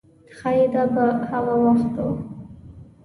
ښایي دا به هغه وخت و.